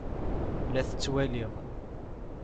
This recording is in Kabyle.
La t-ttwaliɣ.